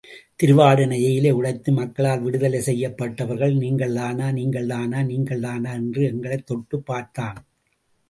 திருவாடானை ஜெயிலை உடைத்து மக்களால் விடுதலை செய்யப்பட்டவர்கள் நீங்கள்தானா, நீங்கள்தானா, நீங்கள்தானா என்று எங்களைத் தொட்டுப் பார்த்தான்.